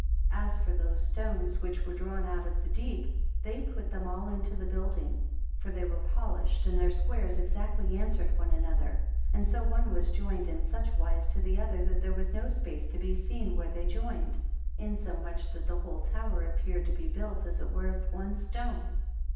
27 As for those stones which were drawn out of the deep, they put them all into the building; for they were polished, and their squares exactly answered one another, and so one was joined in such wise to the other, that there was no space to be seen where they joined, insomuch that the whole tower appeared to be built as it were of one stone.